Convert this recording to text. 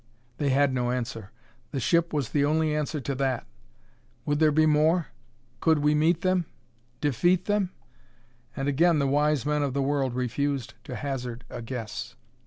They had no answer. The ship was the only answer to that. Would there be more? could we meet them? defeat them? And again the wise men of the world refused to hazard a guess.